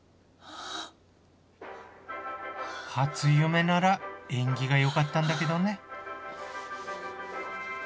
初夢なら縁起がよかったんだけどね